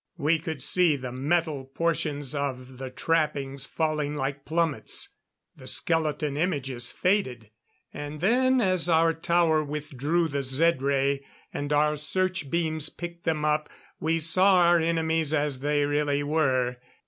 We could see the metal portions of the trappings falling like plummets. The skeleton images faded; and then as our tower withdrew the Zed ray and our search beams picked them up, we saw our enemies as they really were.